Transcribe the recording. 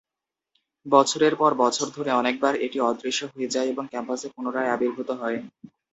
বছরের পর বছর ধরে অনেকবার এটি অদৃশ্য হয়ে যায় এবং ক্যাম্পাসে পুনরায় আবির্ভূত হয়।